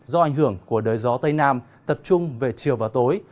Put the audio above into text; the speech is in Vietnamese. do ảnh hưởng của đới gió tây nam tập trung về chiều và tối